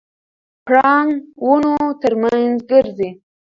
پړانګ ونو ترمنځ ګرځي.